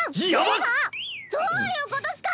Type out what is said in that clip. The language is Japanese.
どういうことっスか⁉